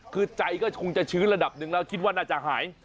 คือใจก็คงจะชื้นระดับหนึ่งแล้วคิดว่าน่าจะหาย